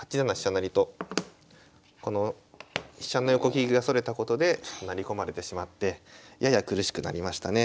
成とこの飛車の横利きがそれたことで成り込まれてしまってやや苦しくなりましたね。